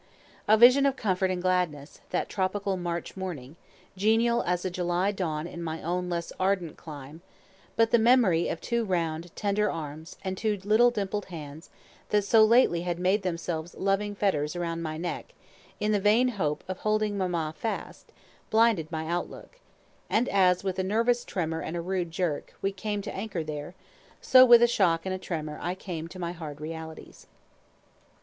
A vision of comfort and gladness, that tropical March morning, genial as a July dawn in my own less ardent clime; but the memory of two round, tender arms, and two little dimpled hands, that so lately had made themselves loving fetters round my neck, in the vain hope of holding mamma fast, blinded my outlook; and as, with a nervous tremor and a rude jerk, we came to anchor there, so with a shock and a tremor I came to my hard realities.